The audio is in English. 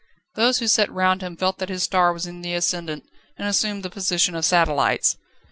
Those who sat round him felt that his star was in the ascendant and assumed the position of satellites.